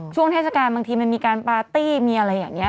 เทศกาลบางทีมันมีการปาร์ตี้มีอะไรอย่างนี้